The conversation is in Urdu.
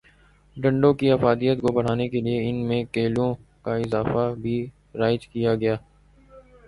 ڈنڈوں کی افادیت کو بڑھانے کیلئے ان میں کیلوں کا استعمال بھی رائج کیا گیا۔